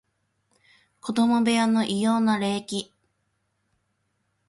子供部屋の異様な冷気